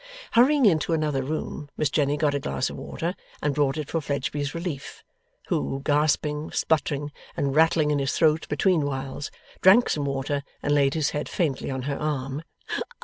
Hurrying into another room, Miss Jenny got a glass of water, and brought it for Fledgeby's relief: who, gasping, spluttering, and rattling in his throat betweenwhiles, drank some water, and laid his head faintly on her arm.